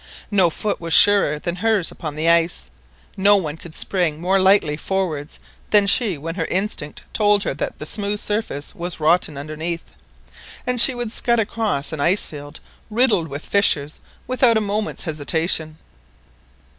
No foot was surer than hers upon the ice, no one could spring more lightly forwards than she when her instinct told her that the smooth surface was rotten underneath, and she would scud across an ice field riddled with fissures without a moment's hesitation.